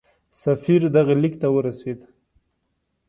سفیر دغه لیک ورته ورسېد.